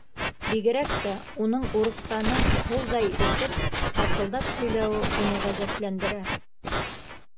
Бигерәк тә уның, урыҫсаны һыуҙай эсеп, сатылдап һөйләүе уны ғәжәпләндерә.